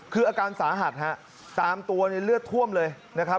คืออาการสาหัสฮะตามตัวในเลือดท่วมเลยนะครับ